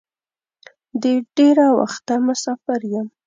د ډېره وخته مسافر یم.